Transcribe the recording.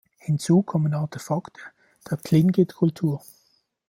Hinzu kommen Artefakte der Tlingit-Kultur.